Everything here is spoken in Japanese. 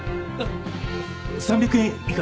３００円以下。